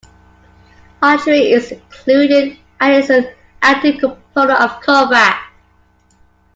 Archery is included and is an active component of combat.